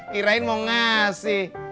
kirain mau ngasih